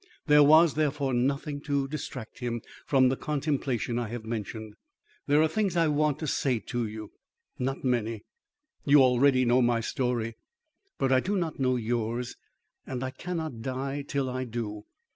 There was, therefore, nothing to distract him from the contemplation I have mentioned. "There are things I want to say to you. Not many; you already know my story. But I do not know yours, and I cannot die till I do.